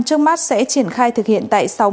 trương mát sẽ triển khai thực hiện tài năng